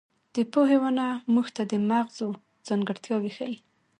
د پوهې ونه موږ ته د مغزو ځانګړتیاوې ښيي.